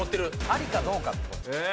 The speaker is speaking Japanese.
ありかどうかってこと。え！